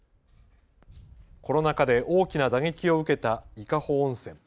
コロナ禍で大きな打撃を受けた伊香保温泉。